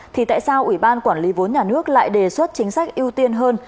thì tại sao ủy ban quản lý vốn nhà nước lại đề xuất chính sách ưu tiên hơn